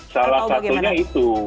salah satunya itu